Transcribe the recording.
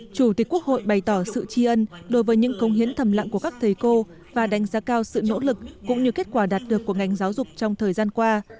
chủ tịch quốc hội bày tỏ sự tri ân đối với những công hiến thầm lặng của các thầy cô và đánh giá cao sự nỗ lực cũng như kết quả đạt được của ngành giáo dục trong thời gian qua